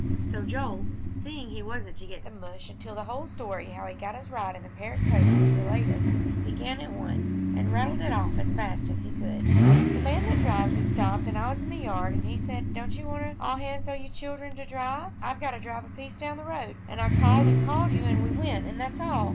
So Joel, seeing he wasn't to get the mush until the whole story how he got his ride in the Parrott coach was related, began at once, and rattled it off as fast as he could. "The man that drives it stopped an' I was in th' yard an' he said don't you wanter all hands o' you children to drive I've got to drive a piece down th' road an' I called and called you an' we went an' that's all.